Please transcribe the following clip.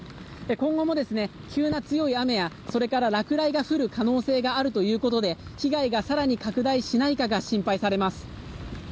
今後も急な強い雨や落雷の可能性があるということで被害が更に拡大しないかが心配されます。